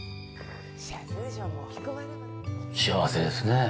幸せですね。